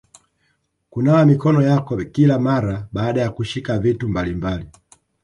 Kunawa mikono yako kila mara baada ya kushika vitu mbalimbali